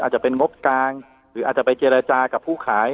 อาจจะเป็นงบกลางหรืออาจจะไปเจรจากับผู้ขาย